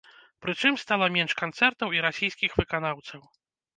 Прычым, стала менш канцэртаў і расійскіх выканаўцаў.